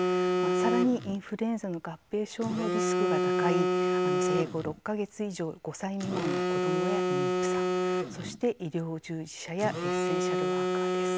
さらにインフルエンザの合併症のリスクが高い生後６か月以上５歳未満の子どもや、妊婦さんそして医療従事者やエッセンシャルワーカーです。